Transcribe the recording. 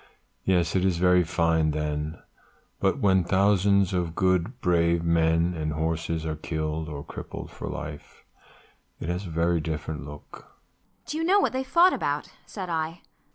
Yes, it is very fine then; but when thousands of good brave men and horses are killed or crippled for life, it has a very different look."